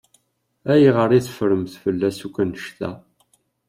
Ayɣer i teffremt fell-as akk annect-a?